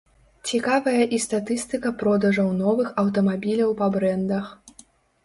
Цікавая і статыстыка продажаў новых аўтамабіляў па брэндах.